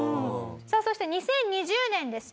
さあそして２０２２年です。